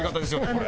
これ。